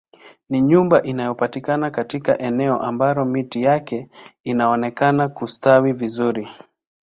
Ni nyumba inayopatikana katika eneo ambalo miti yake inaonekana kustawi vizuri